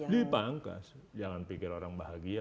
dipangkas jangan pikir orang bahagia